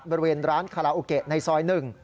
บริเวณร้านคาราโอเกะในซอย๑